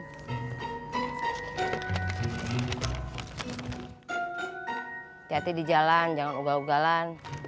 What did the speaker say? hati hati di jalan jangan ugal ugalan